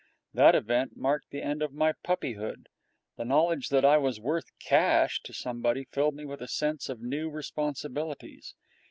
That event marked the end of my puppyhood. The knowledge that I was worth actual cash to somebody filled me with a sense of new responsibilities.